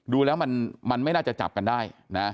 ดูแล้วมันไม่น่าจะจับกันได้นะ